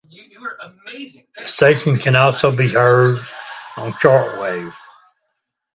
The station can also be heard on shortwave.